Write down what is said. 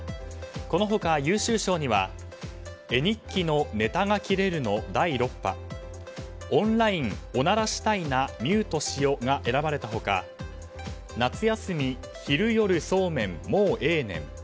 このほか、優秀賞には「絵日記のネタが切れるの第６波」「オンラインオナラしたいなミュートしよ」が選ばれた他「夏休み昼夜そうめんもうええねん」